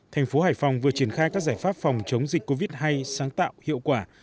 thành phố hải phòng vừa triển khai các giải pháp phòng chống dịch covid hay sáng tạo hiệu quả